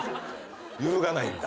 揺るがないんだ。